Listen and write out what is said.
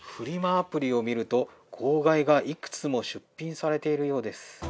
アプリを見ると号外がいくつも出品されているようです。